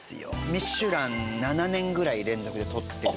ミシュラン７年ぐらい連続でとってる